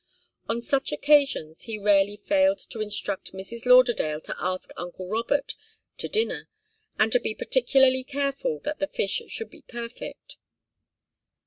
On such occasions he rarely failed to instruct Mrs. Lauderdale to ask uncle Robert to dinner, and to be particularly careful that the fish should be perfect.